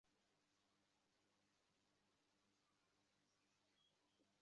এতসব কাণ্ড যখন চলছিল তখন নির্বাচন কমিশনে কী ধরনের তথ্য আসছিল?